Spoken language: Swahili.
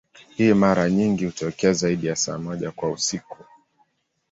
Hii mara nyingi hutokea zaidi ya saa moja kwa siku.